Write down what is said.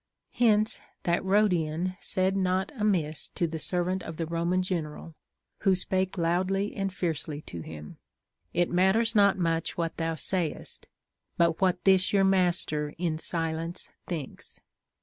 Hence that Rhodian said not amiss to the servant of the Roman general, who spake loudly and fiercely to him. It matters not much what thou sayest, but what this your master in silence thinks.